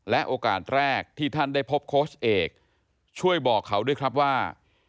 โอกาสแรกที่ท่านได้พบโค้ชเอกช่วยบอกเขาด้วยครับว่า